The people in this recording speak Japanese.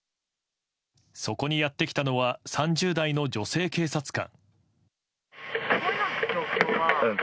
そこにやってきたのは３０代の女性警察官。